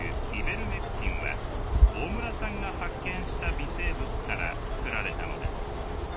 イベルメクチンは大村さんが発見した微生物から作られたのです。